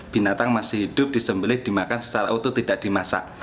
binatang masih hidup disembelih dimakan secara utuh tidak dimasak